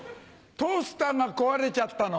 トースターが壊れちゃったの。